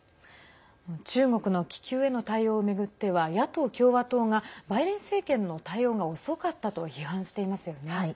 中国の気球への対応を巡っては野党・共和党がバイデン政権の対応が遅かったと批判していますよね。